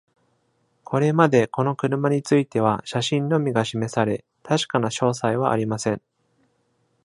これまでこの車については、写真のみが示され、確かな詳細はありません。